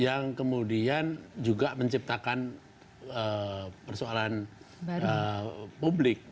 yang kemudian juga menciptakan persoalan publik